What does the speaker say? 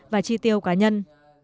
và chi tiêu cá nhân